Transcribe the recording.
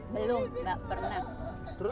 belumnya sudah pernah diajak jalan belum